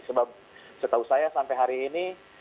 sebab setahu saya sampai hari ini